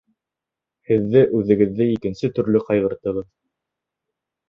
Һеҙҙе үҙегеҙҙе икенсе төрлө ҡайғырттығыҙ.